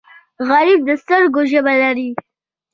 غریب د سترګو ژبه لري